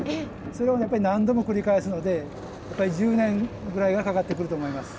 それをやっぱり何度も繰り返すのでやっぱり１０年ぐらいはかかってくると思います。